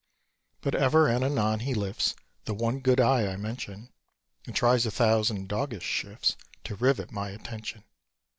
But ever and anon he lifts The one good eye I mention, And tries a thousand doggish shifts To rivet my attention.